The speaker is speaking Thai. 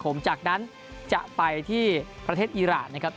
ผมจากนั้นจะไปที่ประเทศอีรานนะครับ